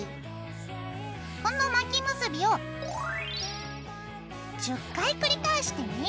この巻き結びを１０回繰り返してね。